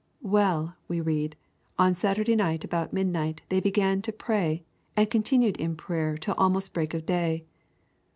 'Well,' we read, 'on Saturday night about midnight they began to pray, and continued in prayer till almost break of day.